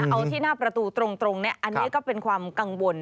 เอาที่หน้าประตูตรงอันนี้ก็เป็นความกังวล